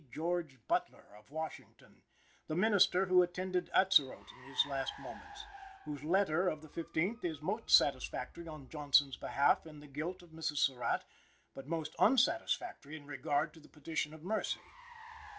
George Butler, of Washington, the minister who attended Atzerodt in his last moments, whose letter of the 15th is most satisfactory on Johnson's belief in the guilt of Mrs. Surratt, but most unsatisfactory in regard to the petition of mercy.